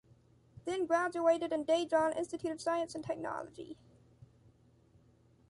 Then graduated in Daejeon Institute of Science and Technology.